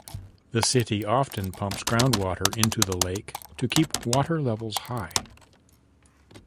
The city often pumps groundwater into the lake to keep water levels high.